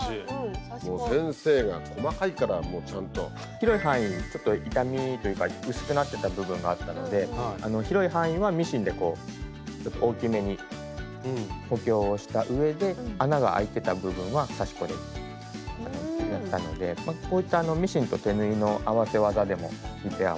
広い範囲ちょっと傷みというか薄くなってた部分があったので広い範囲はミシンでこう大きめに補強をしたうえで穴があいてた部分は刺し子でやったのでこういったミシンと手縫いの合わせ技でもリペアはできます。